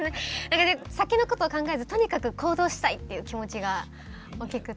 先のことを考えずとにかく行動したいっていう気持ちが大きくて。